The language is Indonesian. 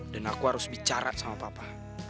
dan aku harus bicara sama papa